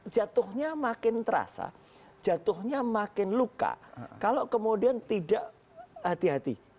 jatuhnya makin terasa jatuhnya makin luka kalau kemudian tidak hati hati